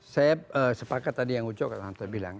saya sepakat tadi yang uco bilang